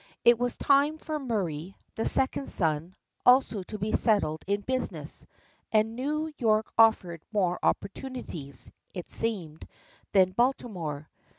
It was time for Murray, the second son, also to be settled in business, and New York offered more opportunities, it seemed, than Baltimore.